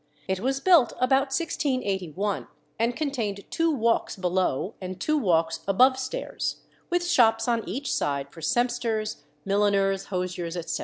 It was built about 1681, and contained two walks below and two walks above stairs, with shops on each side for sempsters, milliners, hosiers, etc.